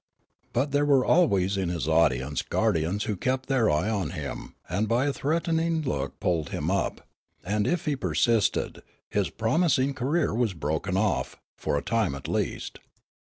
But there were always in his audience guardians who kept their eye on him and by a threatening look pulled him up. And if he persisted, his promising career was broken off", for a time at least.